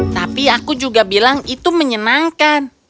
tapi aku juga bilang itu menyenangkan